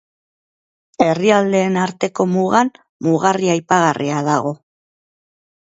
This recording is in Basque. Herrialdeen arteko mugan mugarri aipagarria dago.